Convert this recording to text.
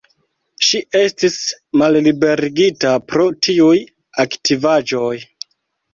Ŝi estis malliberigita pro tiuj aktivaĵoj.